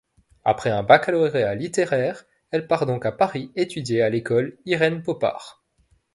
Après un Baccalauréat littéraire, elle part donc à Paris étudier à l’École Irène Popard.